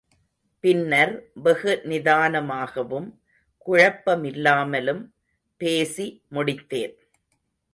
பின்னர் வெகுநிதானமாகவும், குழப்பமில்லாமலும் பேசி முடித்தேன்.